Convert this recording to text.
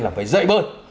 là phải dạy bơi